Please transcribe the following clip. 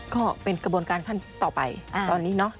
ก็เป็นกระบบการพันธุ์ต่อไปตอนนี้เนี่ย